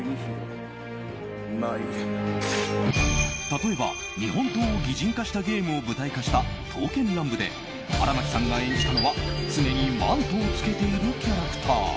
例えば、日本刀を擬人化したゲームを舞台化した「刀剣乱舞」で荒牧さんが演じたのは常にマントを着けているキャラクター。